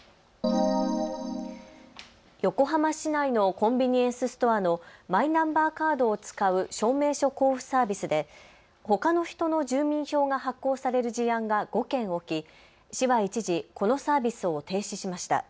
横浜市内のコンビニエンスストアのマイナンバーカードを使う証明書交付サービスでほかの人の住民票が発行される事案が５件起き、市は一時、このサービスを停止しました。